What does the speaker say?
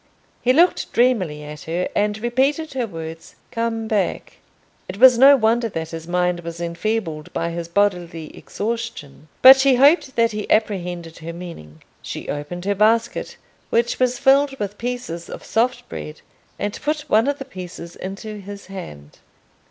He looked dreamily at her, and repeated her words, "come back." It was no wonder that his mind was enfeebled by his bodily exhaustion, but she hoped that he apprehended her meaning. She opened her basket, which was filled with pieces of soft bread, and put one of the pieces into his hand.